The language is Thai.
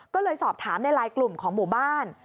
ก็เลยสอบถามในไลน์กลุ่มของหมู่บ้าน